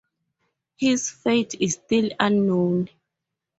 His fate is still unknown.